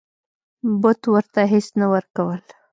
بت ورته هیڅ نه ورکول.